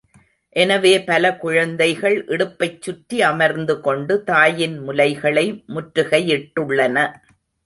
எனவே பல குழந்தைகள் இடுப்பைச் சுற்றி அமர்ந்துகொண்டு தாயின் முலைகளை முற்றுகையிட்டுள்ளன.